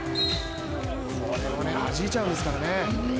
これをはじいちゃうんですからね。